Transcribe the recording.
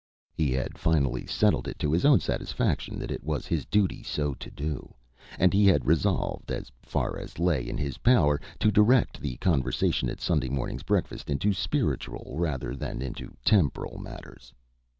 He had finally settled it to his own satisfaction that it was his duty so to do, and he had resolved, as far as lay in his power, to direct the conversation at Sunday morning's breakfast into spiritual rather than into temporal matters.